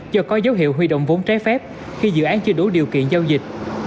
do có dấu hiệu huy động vốn trái phép khi dự án chưa đủ điều kiện giao dịch